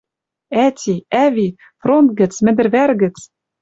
«Ӓти, ӓви! Фронт гӹц, мӹндӹр вӓр гӹц